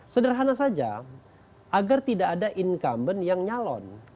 sederhana saja agar tidak ada incumbent yang nyalon